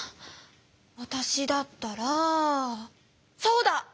わたしだったらそうだ！